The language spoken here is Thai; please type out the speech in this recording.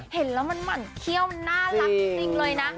เห็นแล้วมันเหมือนเคี่ยวน่ารักจริงเลยนะ